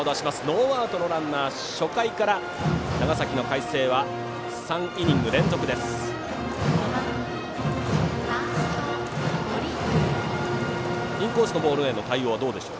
ノーアウトのランナー初回から長崎の海星は３イニング連続です。